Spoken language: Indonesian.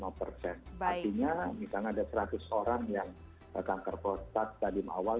artinya misalnya ada seratus orang yang kanker prostat stadium awal